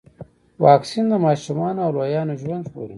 واکسین د ماشومانو او لویانو ژوند ژغوري.